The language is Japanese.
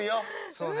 そうね。